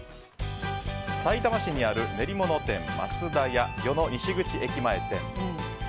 さいたま市にある練りもの店増田ヤ与野西口駅前店。